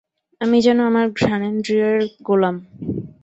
আমি যেন আমার ঘ্রাণেন্দ্রিয়ের গোলাম।